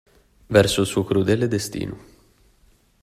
Verso il suo crudele destino.